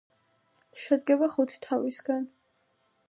შედგება ხუთი თავისგან.